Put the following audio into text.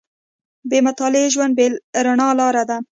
• بې مطالعې ژوند، بې رڼا لاره ده.